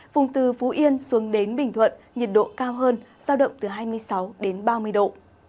vùng từ phú yên xuống đến bình thuận nhiệt độ cao hơn giao động từ hai mươi sáu đến ba mươi độ